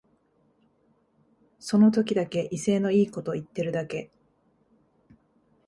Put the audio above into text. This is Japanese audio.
その時だけ威勢のいいこと言ってるだけ